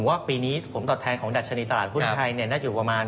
ว่าปีนี้ผลตอบแทนของดัชนีตลาดหุ้นไทยน่าจะอยู่ประมาณ